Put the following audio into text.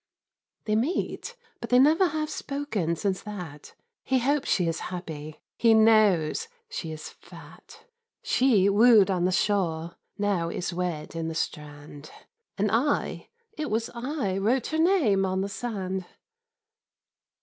They meet, but they never have spoken since that,— He hopes she is happy—he knows she is fat; She woo'd on the shore, now is wed in the Strand, And I—it was I wrote her name on the sand!